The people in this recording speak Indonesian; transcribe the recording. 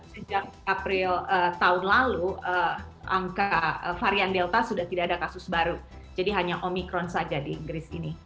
sejak april tahun lalu angka varian delta sudah tidak ada kasus baru jadi hanya omikron saja di inggris ini